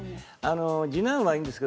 次男はいいんですよ。